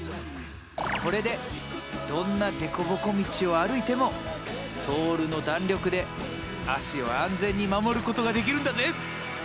これでどんな凸凹道を歩いてもソールの弾力で足を安全に守ることができるんだぜ！